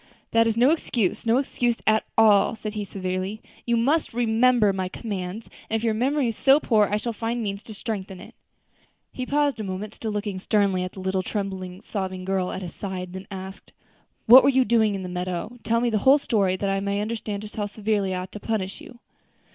"That is no excuse, no excuse at all," said he severely; "You must remember my commands; and if your memory is so poor I shall find means to strengthen it." He paused a moment, still looking sternly at the little, trembling, sobbing girl at his side; then asked, "What were you doing in the meadow? tell me the whole story, that I may understand just how severely I ought to punish you."